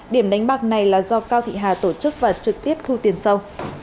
điểm đánh bạc này là do cao thị hà tổ chức và trực tiếp thu tiền sâu